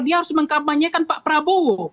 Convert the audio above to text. dia harus mengkampanyekan pak prabowo